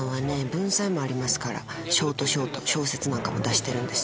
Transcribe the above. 文才もありますからショートショート小説なんかも出してるんです